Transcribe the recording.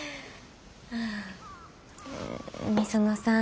御園さん。